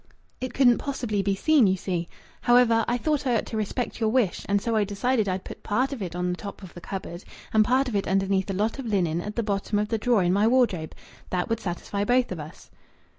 "It couldn't possibly be seen, you see. However, I thought I ought to respect your wish, and so I decided I'd put part of it on the top of the cupboard, and part of it underneath a lot of linen at the bottom of the drawer in my wardrobe. That would satisfy both of us."